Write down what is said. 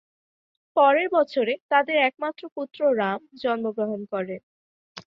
পরের বছরে তাদের একমাত্র পুত্র রাম জন্মগ্রহণ করেন।